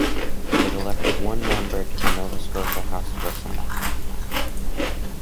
It elected one member to the Nova Scotia House of Assembly.